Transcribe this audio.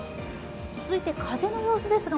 続いて風の様子ですが。